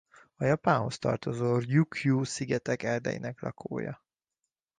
A Japánhoz tartozó Rjúkjú-szigetek erdeinek lakója.